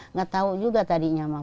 nggak tau juga tadinya